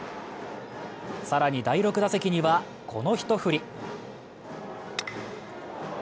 更に、第６打席にはこの一振り。